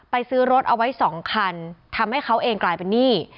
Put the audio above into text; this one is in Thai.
ซื้อรถเอาไว้สองคันทำให้เขาเองกลายเป็นหนี้